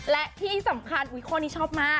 และที่สำคัญอุ๊ยข้อนี้ชอบมาก